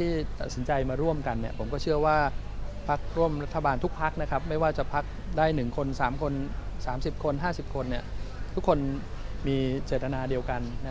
มีเจษฐานาเดียวกันต้องมีแนวทางความคิดอุดมการความตั้งใจเดียวกันเนี่ย